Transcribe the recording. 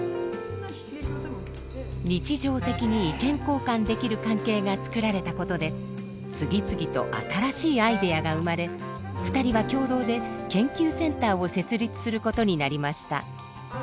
日常的に意見交換できる関係が作られたことで次々と新しいアイデアが生まれ２人は共同で研究センターを設立することになりました。